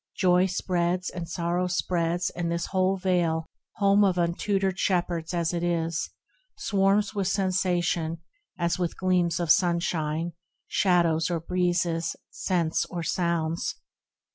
Joy spreads, and sorrow spreads ; and this whole Vale, Home of untutored shepherds as it is, Swarms with sensation, as with gleams of sunshine, Shadows or breezes, scents or sounds.